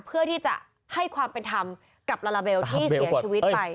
เพื่อที่จะให้ความเป็นธรรมกับลาลาเบลที่เสียชีวิตไป